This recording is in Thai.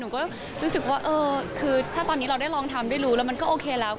หนูก็รู้สึกว่าเออคือถ้าตอนนี้เราได้ลองทำได้รู้แล้วมันก็โอเคแล้ว